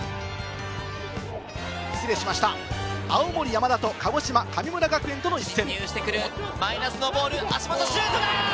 失礼しました、青森山田と鹿児島・神村学園との一戦。